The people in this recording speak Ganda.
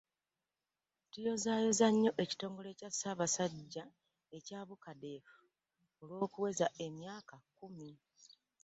Tuyozaayoza nnyo ekitongole kya Ssaabasajja ekya BUCADEF Olw'okuweza emyaka kkumi.